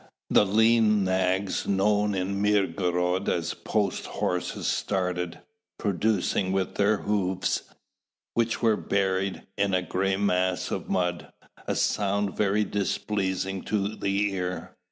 The lean nags known in Mirgorod as post horses started, producing with their hoofs, which were buried in a grey mass of mud, a sound very displeasing to the ear.